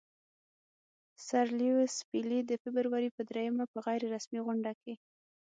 سر لیویس پیلي د فبرورۍ پر دریمه په غیر رسمي غونډه کې.